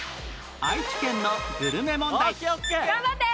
愛知県のグルメ問題頑張って！